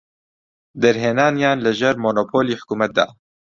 دەرهێنانیان لە ژێر مۆنۆپۆلی حکومەتدا.